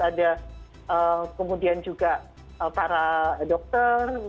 ada kemudian juga para dokter